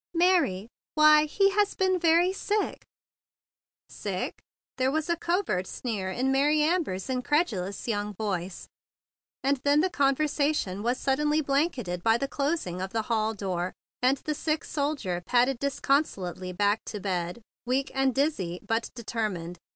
"Mary! Why, he has been very sick r "Sick?" There was a covert sneer in Mary Amber's incredulous young voice; and then the conversation was suddenly blanketed by the closing of the hall door, and the sick soldier pad¬ ded disconsolately back to bed, weak and dizzy, but determined.